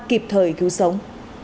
kịp thời cứu sống